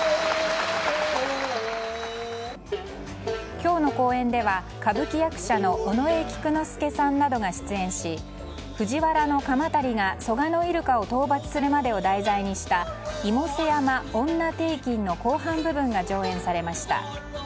今日の公演では、歌舞伎役者の尾上菊之助さんなどが出演し藤原鎌足が蘇我入鹿を討伐するまでを題材にした「妹背山婦女庭訓」の後半部分が上演されました。